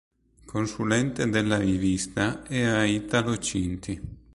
Consulente della rivista era Italo Cinti.